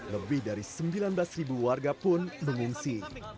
lebih dari sembilan belas ribu warga pun mengungsi